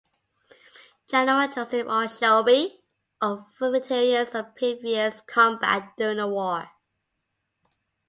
General Joseph O. Shelby, all veterans of previous combat during the war.